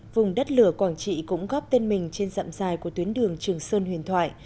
vùng đất lửa quảng trị cũng góp tên mình trên dặm dài của tuyến đường trường sơn huyền thoại